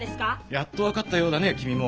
やっと分かったようだね君も。